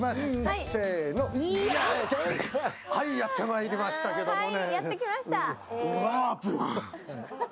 やってまいりましたけれどもね。